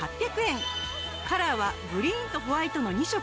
カラーはグリーンとホワイトの２色。